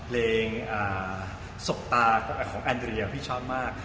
เรนศกตาของแอนเดรียวพี่ชอบมาก